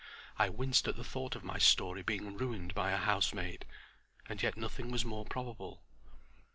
I winced at the thought of my story being ruined by a housemaid. And yet nothing was more probable.